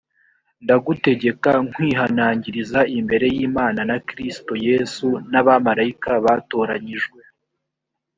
ndagutegeka nkwihanangiriza imbere y imana na kristo yesu n abamarayika batoranyijwe